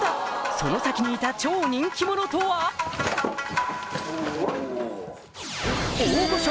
その先にいた超人気者とはお。